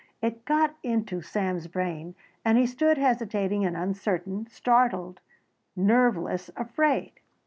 It got into Sam's brain and he stood hesitating and uncertain, startled, nerveless, afraid.